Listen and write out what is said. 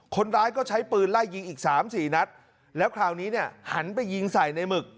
คนร้ายก็ใช้ปืนไล่ยิงอีกสามสี่นัดแล้วคราวนี้เนี่ยหันไปยิงใส่ในหมึก